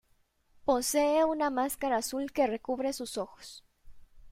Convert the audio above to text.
Posee una máscara azul que recubre sus ojos.